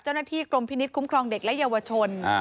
เจ้าหน้าที่กรมพินิษฐคุ้มครองเด็กและเยาวชน